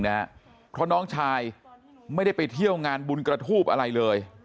เพราะน้องชายไม่ได้ไปเที่ยวงานบุญกระทูบอะไรเลย